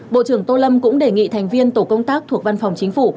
bộ trưởng tô lâm cũng đề nghị thành viên tổ công tác thuộc văn phòng chính phủ